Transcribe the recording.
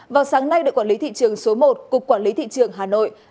vào sáng nay đội quản lý thị trường số một cục quản lý thị trường hà nội